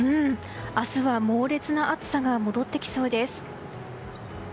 明日は猛烈な暑さが戻ってきそうです。